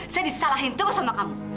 saya disalahin terus sama kamu